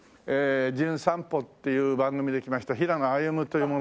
『じゅん散歩』っていう番組で来ました平野歩夢という者なんです。